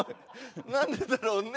「何でだろうね！」